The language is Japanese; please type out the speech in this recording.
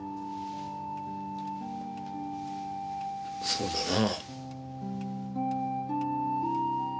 そうだな。